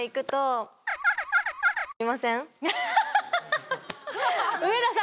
ハハハハ。